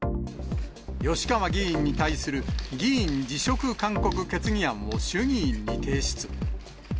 吉川議員に対する議員辞職勧告決議案を衆議院に提出。